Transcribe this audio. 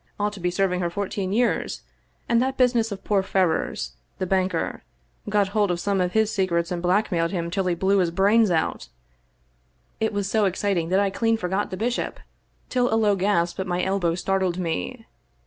Ought to be serving her fourteen years — and that business of poor Farrars, the banker — got hold of some of his se crets and blackmailed him till he blew his brains out " It was so exciting that I clean forgot the bishop, till a low gasp at my elbow startled me.